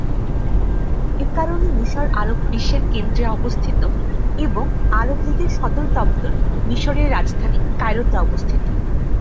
একারণে মিশর আরব বিশ্বের কেন্দ্রে অবস্থিত এবং আরব লীগের সদরদপ্তর মিশরের রাজধানী কায়রোতে অবস্থিত।